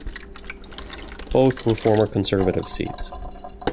Both were former Conservative seats.